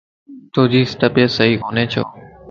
توجي طبيعت صحيح ڪوني ڇو؟